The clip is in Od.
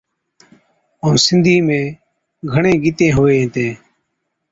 ائُون سِنڌِي ۾ گھڻين گيتين ھُوي ھِتين